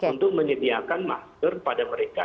untuk menyediakan masker pada mereka